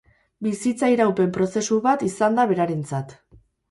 Bizitza iraupen prozesu bat izan da berarentzat.